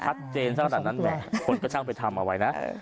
ชัดเจนซะตั้งแต่นั้นคนก็ช่างไปทำเอาไว้นะ